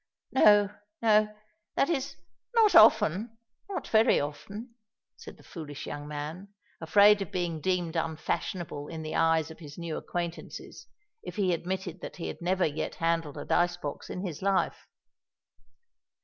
"No, no—that is, not often—not very often," said the foolish young man, afraid of being deemed unfashionable in the eyes of his new acquaintances if he admitted that he never yet handled a dice box in his life.